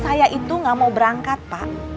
saya itu gak mau berangkat pak